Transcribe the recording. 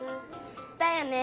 だよね。